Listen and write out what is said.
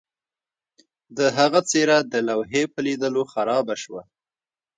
د هغه څیره د لوحې په لیدلو خرابه شوه